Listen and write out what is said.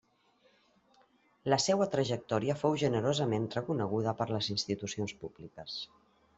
La seua trajectòria fou generosament reconeguda per les institucions públiques.